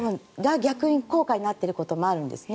逆効果になっていることもあるんですね。